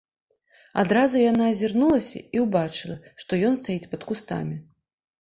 Адразу яна азірнулася і ўбачыла, што ён стаіць пад кустамі.